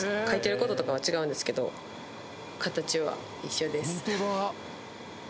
書いてることとかは違うんですけど形は一緒です。